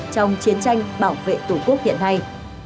trong chiến tranh bảo vệ tổ quốc hiện nay